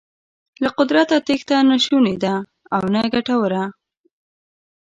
له قدرته تېښته نه شونې ده او نه ګټوره.